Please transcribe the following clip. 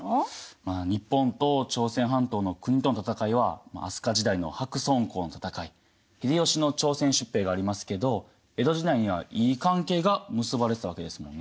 まあ日本と朝鮮半島の国との戦いは飛鳥時代の白村江の戦い秀吉の朝鮮出兵がありますけど江戸時代にはいい関係が結ばれてたわけですもんね。